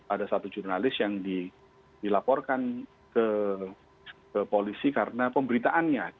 ada satu jurnalis yang dilaporkan ke polisi karena pemberitaannya